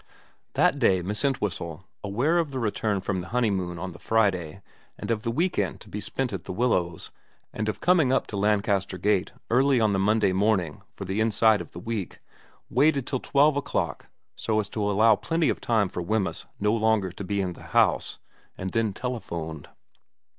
That day Miss Entwhistle, aware of the return from the honeymoon on the Friday, and of the week end to be spent at The Willows, and of the coming up to Lancaster Gate early on the Monday morning for the inside of the week, waited till twelve o'clock, so as to allow plenty of time for Wemyss no longer to be in the house, and then telephoned.